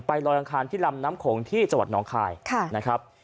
ลอยอังคารที่ลำน้ำโขงที่จังหวัดน้องคายนะครับ